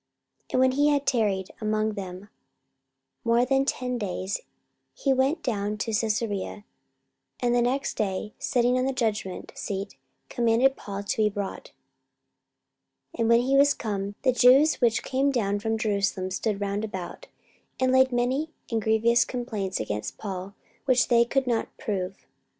44:025:006 And when he had tarried among them more than ten days, he went down unto Caesarea; and the next day sitting on the judgment seat commanded Paul to be brought. 44:025:007 And when he was come, the Jews which came down from Jerusalem stood round about, and laid many and grievous complaints against Paul, which they could not prove.